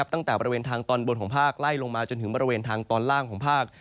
ตั้งแต่บริเวณทางตอนบนของภาคไล่ลงมาจนถึงบริเวณทางตอนล่างของภาค